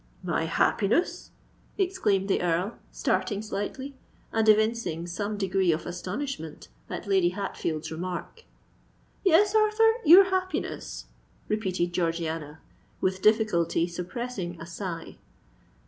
"My happiness!" exclaimed the Earl, starting slightly, and evincing some degree of astonishment at Lady Hatfield's remark. "Yes, Arthur—your happiness!" repeated Georgiana, with difficulty suppressing a sigh.